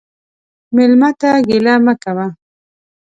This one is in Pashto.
مېلمه ته ګیله مه کوه.